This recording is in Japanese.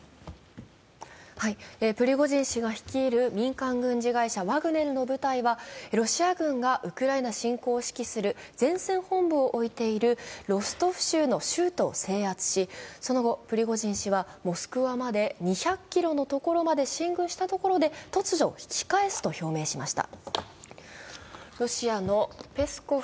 プリゴジン氏が率いる民間軍事会社ワグネルの部隊はロシア軍がウクライナ侵攻を指揮する前線本部を置いているロストフ州の州都を制圧し、その後、プリゴジン氏はモスクワまで２００ｋｍのところまで進軍したところで突如、引き返すと表明しました。